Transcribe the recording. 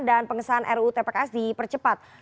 dan pengesahan ruu tpks dipercepat